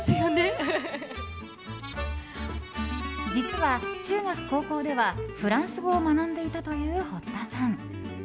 実は、中学・高校ではフランス語を学んでいたという堀田さん。